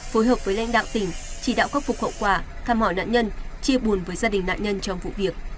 phối hợp với lãnh đạo tỉnh chỉ đạo khắc phục hậu quả thăm hỏi nạn nhân chia buồn với gia đình nạn nhân trong vụ việc